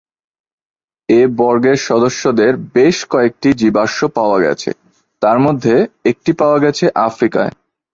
এ বর্গের সদস্যদের বেশ কয়েকটি জীবাশ্ম পাওয়া গেছে, তার মধ্যে একটি পাওয়া গেছে আফ্রিকায়।